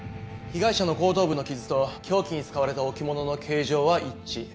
被害者の後頭部の傷と凶器に使われた置物の形状は一致。